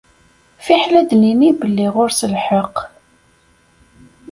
Fiḥel ad d-nini belli ɣur-s lḥeqq.